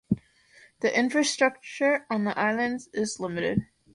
The infrastructure on the islands is limited.